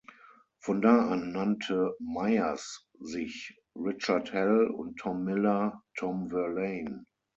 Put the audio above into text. Von da an nannte Myers sich Richard Hell und Tom Miller "Tom Verlaine".